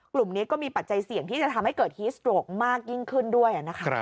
กลุ่มนี้ก็มีปัจจัยเสี่ยงที่จะทำให้เกิดฮีสโตรกมากยิ่งขึ้นด้วยนะคะ